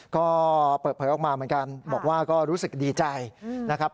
ก็เปิดเผยออกมาเหมือนกันบอกว่าก็รู้สึกดีใจนะครับ